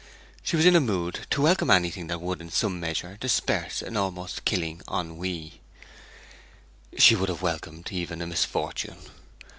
She was in a mood to welcome anything that would in some measure disperse an almost killing ennui. She would have welcomed even a misfortune.